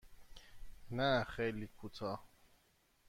نه خیلی کوتاه.